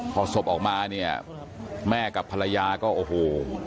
พอศพออกมาเนี่ยแม่กับภรรยาก็โอ้โห